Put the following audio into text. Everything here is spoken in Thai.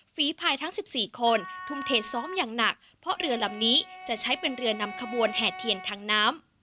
ฝีภายทั้ง๑๔คนทุ่มเทซ้อมอย่างหนักเพราะเรือลำนี้จะใช้เป็นเรือนำขบวนแห่เทียนทางน้ำ